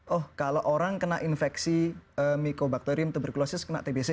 oh kalau orang kena infeksi mycobacterium tuberculosis kena tbc